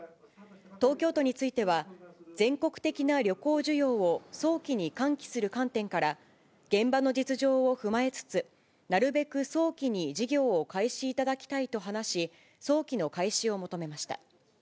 東京都については、全国的な旅行需要を早期に喚起する観点から、現場の実情を踏まえつつ、なるべく早期に事業を開始いただきたいと話し、早期の開始を求めました。